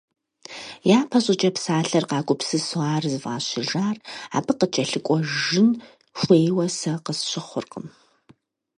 Япэ щӀыкӀэ псалъэр къагупсысу ар зыфӀащыжар абы къыкӀэлъыкӀуэжын хуейуэ сэ къысщыхъуркъым.